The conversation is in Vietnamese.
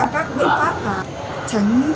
các bệnh pháp và tránh